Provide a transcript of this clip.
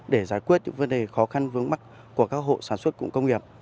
để giải quyết những vấn đề khó khăn vướng mắt của các hộ sản xuất cụm công nghiệp